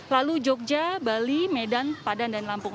lalu jogja bali medan padan dan lampung